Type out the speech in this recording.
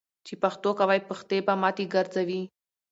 چی پښتو کوی ، پښتي به ماتی ګرځوي .